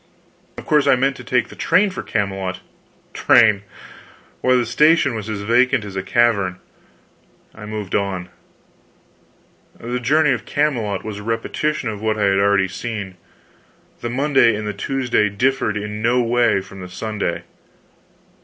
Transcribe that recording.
Of course, I meant to take the train for Camelot. Train! Why, the station was as vacant as a cavern. I moved on. The journey to Camelot was a repetition of what I had already seen. The Monday and the Tuesday differed in no way from the Sunday.